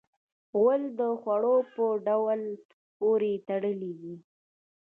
غول د خوړو په ډول پورې تړلی دی.